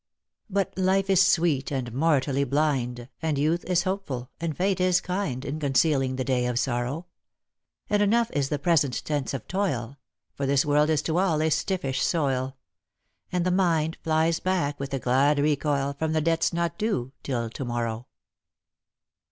But life is sweet, and mortality blind ; And youth is hopeful, and Fate is kind In concealing the day of sorrow ; And enough is the present tense of toil — For this world is, to all, a stiffish soil ; And the mind flies back with a glad recoil From the debts not due till to morrow."